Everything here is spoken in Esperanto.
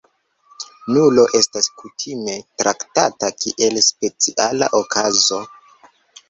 Nulo estas kutime traktata kiel speciala okazo.